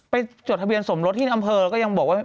จดทะเบียนสมรสที่อำเภอแล้วก็ยังบอกว่า